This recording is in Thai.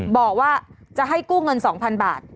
บอกว่าจะให้กู้เงิน๒๐๐๐บาท